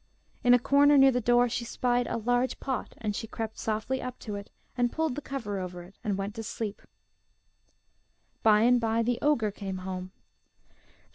In a corner near the door she spied a large pot, and she crept softly up to it and pulled the cover over it, and went to sleep. By and by the ogre came home.